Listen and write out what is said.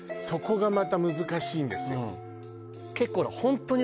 そこがまた難しいんですよ